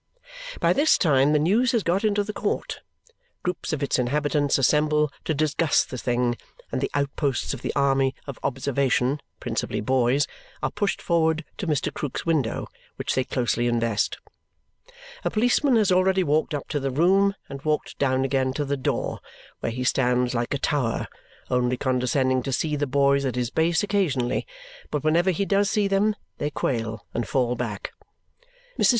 By this time the news has got into the court. Groups of its inhabitants assemble to discuss the thing, and the outposts of the army of observation (principally boys) are pushed forward to Mr. Krook's window, which they closely invest. A policeman has already walked up to the room, and walked down again to the door, where he stands like a tower, only condescending to see the boys at his base occasionally; but whenever he does see them, they quail and fall back. Mrs.